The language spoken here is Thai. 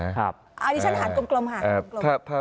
อันนี้ฉันหันกลม